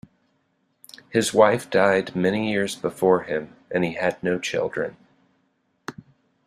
His wife died many years before him and he had no children.